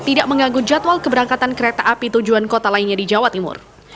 tidak mengganggu jadwal keberangkatan kereta api tujuan kota lainnya di jawa timur